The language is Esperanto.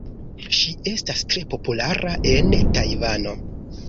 Ŝi estas tre populara en Tajvano.